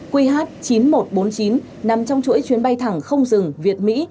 qh chín nghìn một trăm bốn mươi chín nằm trong chuỗi chuyến bay thẳng không dừng việt mỹ